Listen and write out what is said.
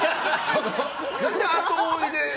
何で後追いで。